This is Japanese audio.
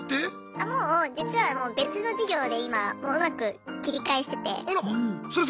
あもう実はもう別の事業で今もううまく切り返してて。